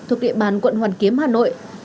thuộc địa bàn quận hoàn kiếm hà nội